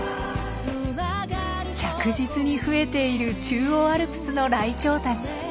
着実に増えている中央アルプスのライチョウたち。